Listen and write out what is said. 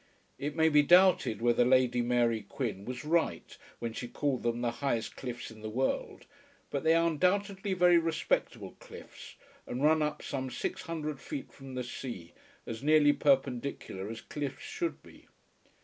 It may be doubted whether Lady Mary Quin was right when she called them the highest cliffs in the world, but they are undoubtedly very respectable cliffs, and run up some six hundred feet from the sea as nearly perpendicular as cliffs should be.